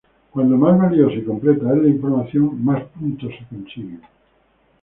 Cuando más valiosa y completa es la información, más puntos se consiguen.